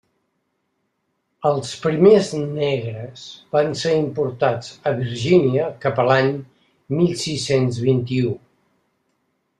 Els primers negres van ser importats a Virgínia cap a l'any mil sis-cents vint-i-u.